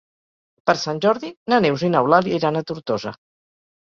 Per Sant Jordi na Neus i n'Eulàlia iran a Tortosa.